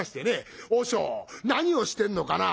「和尚何をしてんのかなぁ。